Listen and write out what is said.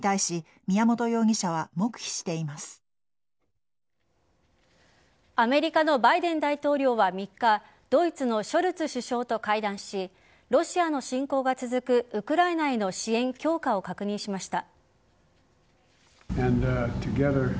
調べに対しアメリカのバイデン大統領は３日ドイツのショルツ首相と会談しロシアの侵攻が続くウクライナへの支援強化を確認しました。